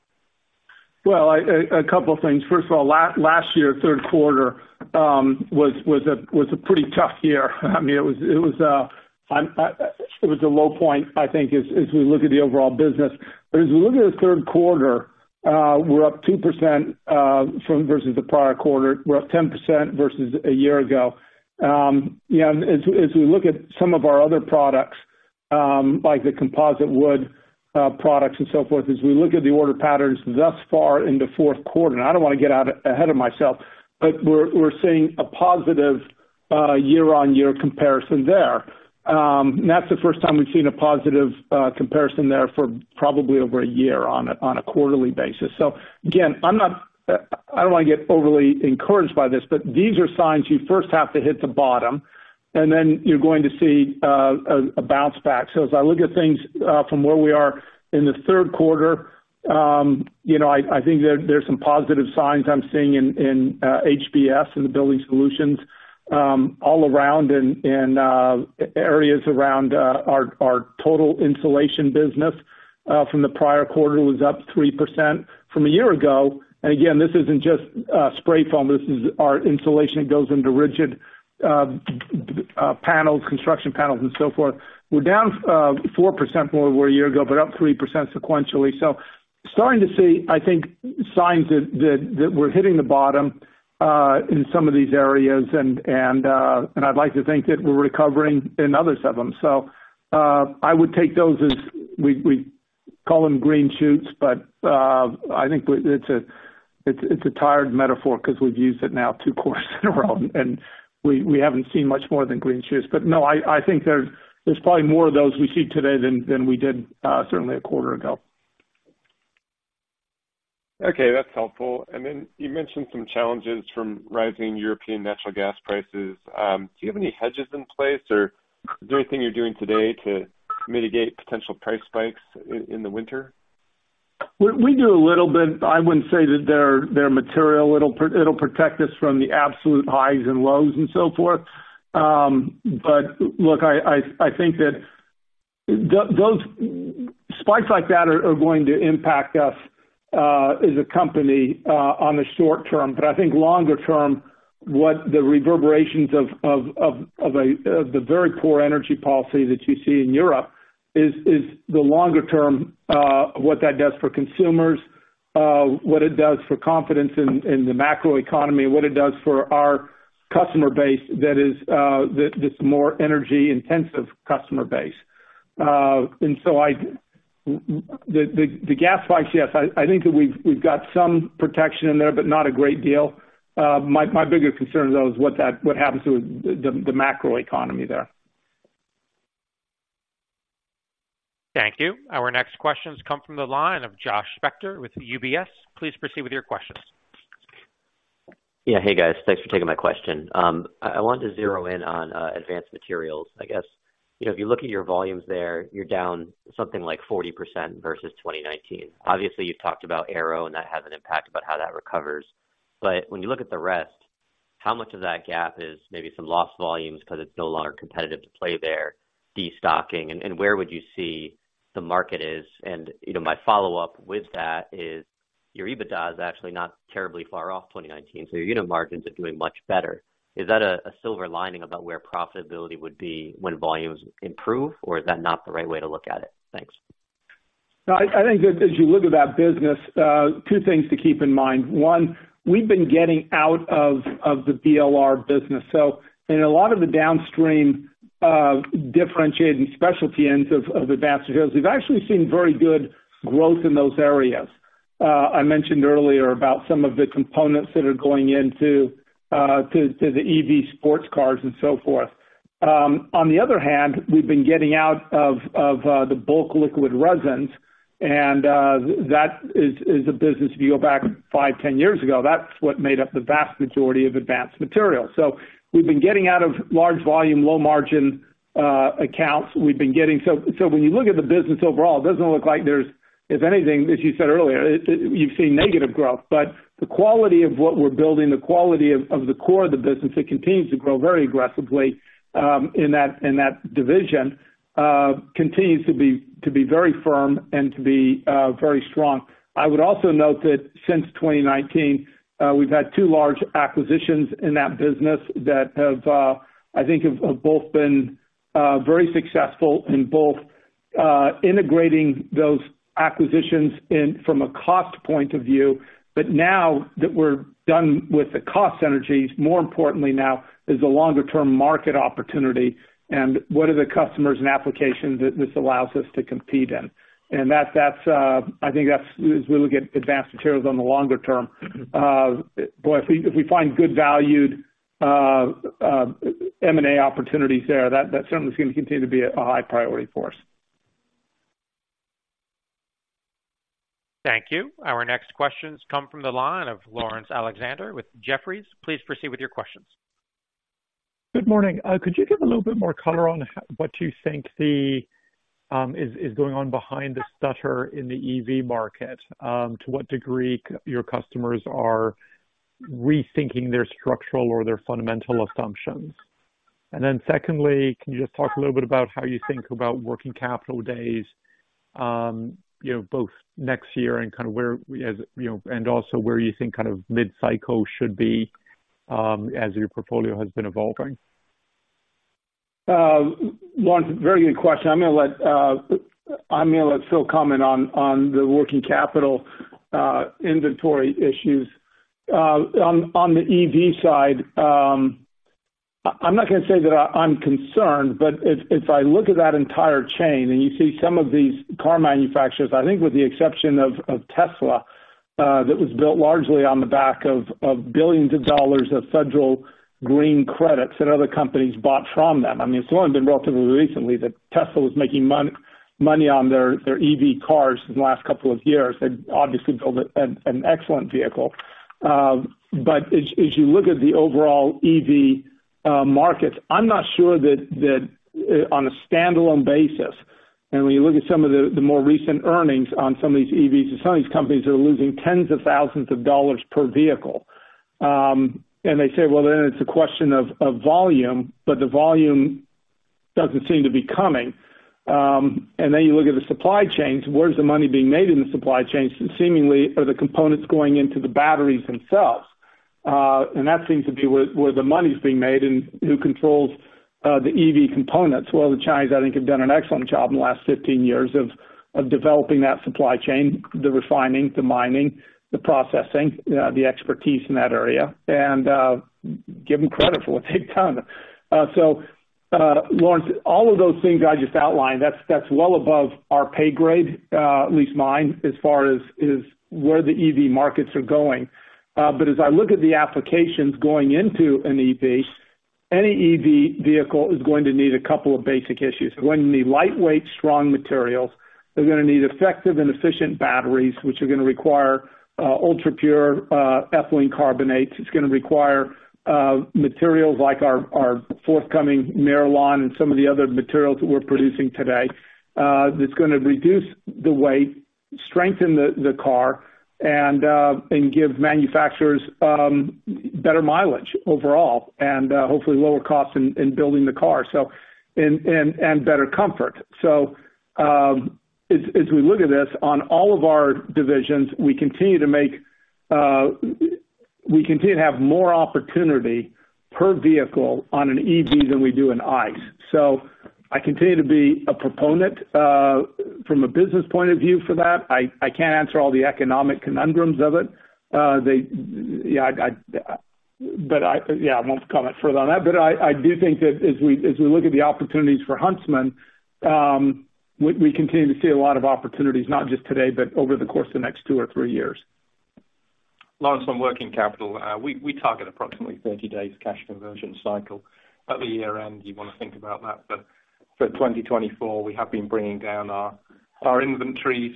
Well, a couple things. First of all, last year, third quarter, was a pretty tough year. I mean, it was a low point, I think, as we look at the overall business. But as we look at the third quarter, we're up 2%, from versus the prior quarter, we're up 10% versus a year ago. You know, and as we look at some of our other products, like the composite wood products and so forth, as we look at the order patterns thus far in the fourth quarter, and I don't wanna get out ahead of myself, but we're seeing a positive year-on-year comparison there. And that's the first time we've seen a positive comparison there for probably over a year on a quarterly basis. So again, I'm not... I don't wanna get overly encouraged by this, but these are signs you first have to hit the bottom, and then you're going to see a bounce back. So as I look at things from where we are in the third quarter, you know, I think there's some positive signs I'm seeing in HBS, in the Building Solutions, all around in areas around our total insulation business from the prior quarter was up 3% from a year ago. And again, this isn't just spray foam, this is our insulation that goes into rigid panels, construction panels, and so forth. We're down 4% from where we were a year ago, but up 3% sequentially. So starting to see, I think, signs that we're hitting the bottom in some of these areas, and I'd like to think that we're recovering in others of them. So, I would take those as we call them green shoots, but, I think, it's a tired metaphor because we've used it now two quarters in a row, and we haven't seen much more than green shoots. But no, I think there's probably more of those we see today than we did certainly a quarter ago. Okay, that's helpful. And then you mentioned some challenges from rising European natural gas prices. Do you have any hedges in place, or is there anything you're doing today to mitigate potential price spikes in the winter? We do a little bit. I wouldn't say that they're material. It'll protect us from the absolute highs and lows and so forth. But look, I think that those spikes like that are going to impact us as a company on the short term, but I think longer term, what the reverberations of the very poor energy policy that you see in Europe is the longer term, what that does for consumers, what it does for confidence in the macroeconomy, what it does for our customer base that is this more energy-intensive customer base. And so the gas spikes, yes, I think that we've got some protection in there, but not a great deal. My bigger concern, though, is what happens to the macroeconomy there. Thank you. Our next questions come from the line of Josh Spector with UBS. Please proceed with your questions. Yeah. Hey, guys. Thanks for taking my question. I want to zero in on advanced materials. I guess, you know, if you look at your volumes there, you're down something like 40% versus 2019. Obviously, you've talked about Aero, and that has an impact about how that recovers. But when you look at the rest, how much of that GAAP is maybe some lost volumes because it's no longer competitive to play there, destocking, and where would you see the market is? And, you know, my follow-up with that is, your EBITDA is actually not terribly far off 2019, so your unit margins are doing much better. Is that a silver lining about where profitability would be when volumes improve, or is that not the right way to look at it? Thanks. No, I think as you look at that business, two things to keep in mind: One, we've been getting out of the BLR business, so in a lot of the downstream differentiated and specialty ends of advanced materials, we've actually seen very good growth in those areas. I mentioned earlier about some of the components that are going into the EV sports cars and so forth. On the other hand, we've been getting out of the bulk liquid resins, and that is a business, if you go back five, 10 years ago, that's what made up the vast majority of advanced materials. So we've been getting out of large volume, low margin accounts. We've been getting... So when you look at the business overall, it doesn't look like there's—if anything, as you said earlier, you've seen negative growth. But the quality of what we're building, the quality of the core of the business, it continues to grow very aggressively in that division, continues to be very firm and to be very strong. I would also note that since 2019, we've had two large acquisitions in that business that have, I think, both been very successful in integrating those acquisitions from a cost point of view. But now that we're done with the cost synergies, more importantly now is the longer term market opportunity, and what are the customers and applications that this allows us to compete in? And that's, I think that's, as we look at advanced materials on the longer term, boy, if we find good value M&A opportunities there, that certainly is gonna continue to be a high priority for us. Thank you. Our next questions come from the line of Laurence Alexander with Jefferies. Please proceed with your questions. Good morning. Could you give a little bit more color on what you think is going on behind the stutter in the EV market? To what degree your customers are rethinking their structural or their fundamental assumptions? And then secondly, can you just talk a little bit about how you think about working capital days, you know, both next year and kind of where, as you know, and also where you think kind of mid-cycle should be, as your portfolio has been evolving? One very good question. I'm gonna let, I'm gonna let Phil comment on, on the working capital, inventory issues. On, on the EV side, I'm not gonna say that I'm concerned, but if, if I look at that entire chain and you see some of these car manufacturers, I think with the exception of, of Tesla, that was built largely on the back of, of billions of dollars of federal green credits that other companies bought from them. I mean, it's only been relatively recently that Tesla was making money on their, their EV cars in the last couple of years. They've obviously built an, an excellent vehicle. But as you look at the overall EV market, I'm not sure that on a standalone basis, and when you look at some of the more recent earnings on some of these EVs, some of these companies are losing tens of thousands of dollars per vehicle. And they say, "Well, then it's a question of volume," but the volume doesn't seem to be coming. And then you look at the supply chains. Where's the money being made in the supply chains? Seemingly, the components going into the batteries themselves. And that seems to be where the money's being made and who controls the EV components. Well, the Chinese, I think, have done an excellent job in the last 15 years of developing that supply chain, the refining, the mining, the processing, the expertise in that area, and give them credit for what they've done. So, Laurence, all of those things I just outlined, that's well above our pay grade, at least mine, as far as where the EV markets are going. But as I look at the applications going into an EV, any EV vehicle is going to need a couple of basic issues. They're going to need lightweight, strong materials. They're gonna need effective and efficient batteries, which are gonna require ultrapure ethylene carbonate. It's gonna require materials like our forthcoming MIRALON and some of the other materials that we're producing today. That's gonna reduce the weight, strengthen the car and give manufacturers better mileage overall and hopefully lower costs in building the car, so, and better comfort. So, as we look at this, on all of our divisions, we continue to have more opportunity per vehicle on an EV than we do in ICE. So I continue to be a proponent from a business point of view for that. I can't answer all the economic conundrums of it. But I won't comment further on that. But I do think that as we look at the opportunities for Huntsman, we continue to see a lot of opportunities, not just today, but over the course of the next two or three years. Laurence, on working capital, we target approximately 30 days cash conversion cycle. At the year-end, you want to think about that, but for 2024, we have been bringing down our inventories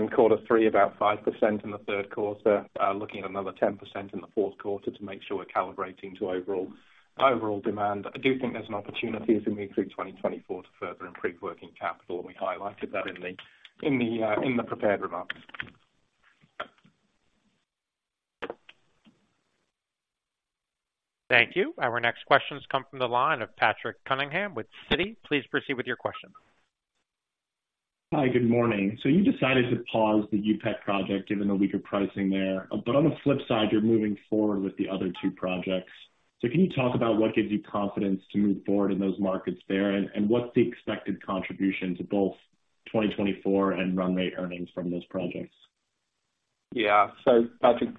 in quarter three, about 5% in the third quarter. Looking at another 10% in the fourth quarter to make sure we're calibrating to overall demand. I do think there's an opportunity as we move through 2024 to further improve working capital, and we highlighted that in the prepared remarks. Thank you. Our next questions come from the line of Patrick Cunningham with Citi. Please proceed with your question. Hi, good morning. So you decided to pause the UPEC project given the weaker pricing there, but on the flip side, you're moving forward with the other two projects. So can you talk about what gives you confidence to move forward in those markets there? And what's the expected contribution to both 2024 and run rate earnings from those projects? Yeah. So Patrick,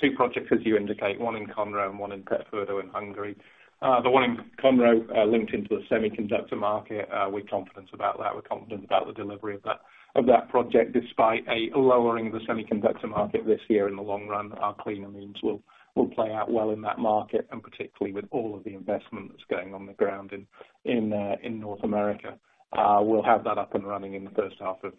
two projects, as you indicate, one in Conroe and one in Pétfürdő in Hungary. The one in Conroe, linked into the semiconductor market, we're confident about that. We're confident about the delivery of that project, despite a lowering of the semiconductor market this year. In the long run, our cleaner amines will play out well in that market, and particularly with all of the investment that's going on the ground in North America. We'll have that up and running in the first half of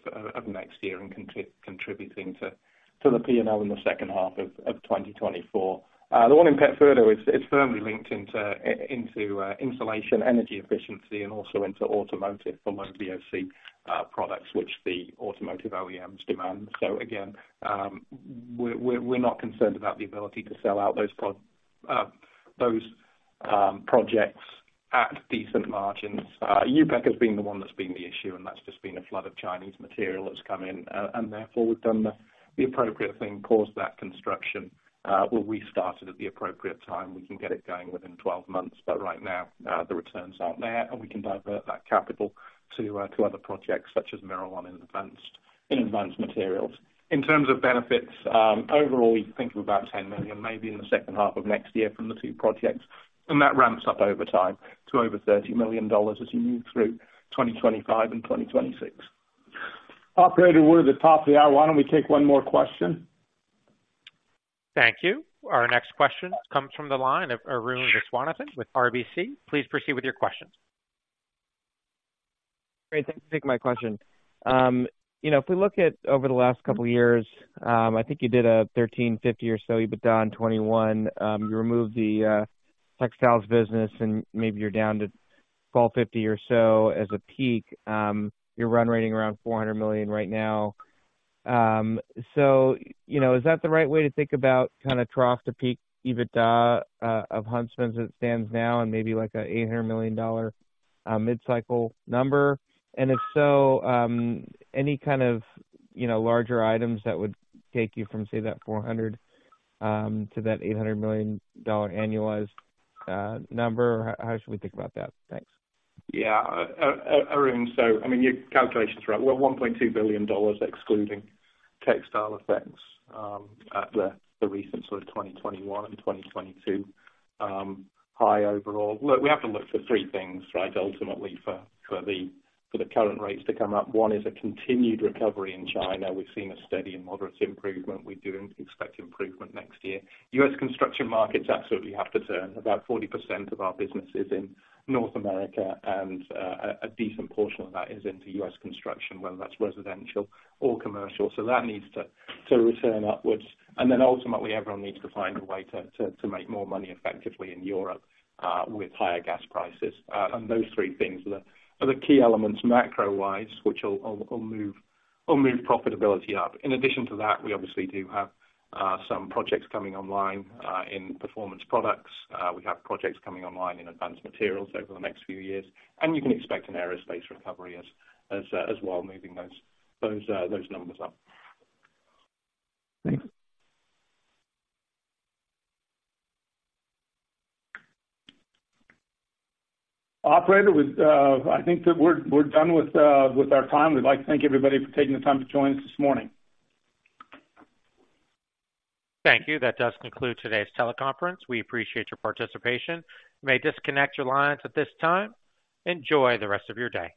next year and contributing to the P&L in the second half of 2024. The one in Pétfürdő is firmly linked into insulation, energy efficiency, and also into automotive for low VOC products, which the automotive OEMs demand. So again, we're not concerned about the ability to sell out those projects at decent margins. Wanhua has been the one that's been the issue, and that's just been a flood of Chinese material that's come in. And therefore, we've done the appropriate thing, paused that construction, where we started at the appropriate time. We can get it going within 12 months, but right now, the returns aren't there, and we can divert that capital to other projects such as MIRALON in advanced materials. In terms of benefits, overall, we think of about $10 million, maybe in the second half of next year from the two projects, and that ramps up over time to over $30 million as you move through 2025 and 2026. Operator, we're at the top of the hour. Why don't we take one more question? Thank you. Our next question comes from the line of Arun Viswanathan with RBC. Please proceed with your question. Great. Thanks for taking my question. You know, if we look at over the last couple of years, I think you did a 1,350 or so EBITDA in 2021. You removed the textiles business, and maybe you're down to 1,250 or so as a peak. You're run-rate around $400 million right now. So, you know, is that the right way to think about kind of trough to peak EBITDA of Huntsman as it stands now and maybe like a $800 million mid-cycle number? And if so, any kind of, you know, larger items that would take you from, say, that $400 to that $800 million annualized number? How should we think about that? Thanks. Yeah. Arun, so I mean, your calculation's right. We're $1.2 billion, excluding Textile Effects, at the recent sort of 2021 and 2022 high overall. Look, we have to look for three things, right? Ultimately, for the current rates to come up. One is a continued recovery in China. We've seen a steady and moderate improvement. We do expect improvement next year. US construction markets absolutely have to turn. About 40% of our business is in North America, and a decent portion of that is into US construction, whether that's residential or commercial, so that needs to return upwards. And then ultimately, everyone needs to find a way to make more money effectively in Europe, with higher gas prices. And those three things are the key elements, macro-wise, which will move profitability up. In addition to that, we obviously do have some projects coming online in performance products. We have projects coming online in advanced materials over the next few years, and you can expect an aerospace recovery as well, moving those numbers up. Thanks. Operator, we, I think that we're done with our time. We'd like to thank everybody for taking the time to join us this morning. Thank you. That does conclude today's teleconference. We appreciate your participation. You may disconnect your lines at this time. Enjoy the rest of your day.